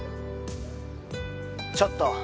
ちょっと。